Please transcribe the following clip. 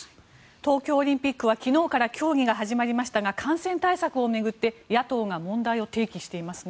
東京オリンピックは昨日から競技が始まりましたが感染対策を巡って野党が問題を提起していますね。